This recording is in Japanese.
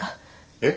えっ。